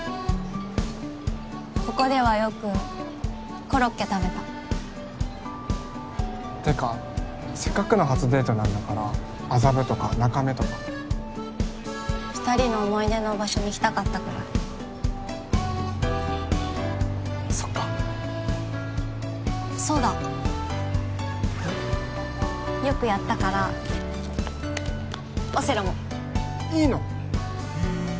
ここではよくコロッケ食べたってかせっかくの初デートなんだから麻布とか中目とか二人の思い出の場所に行きたかったからそっかそうだよくやったからオセロもいいの？